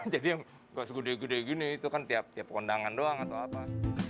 jadi yang gak segede gede gini itu kan tiap tiap kondangan doang atau apa